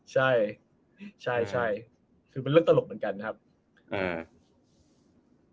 ใช่ใช่ใช่คือเป็นเรื่องตลกเหมือนกันครับอ่า